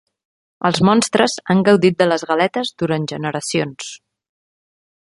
Els monstres han gaudit de les galetes durant generacions.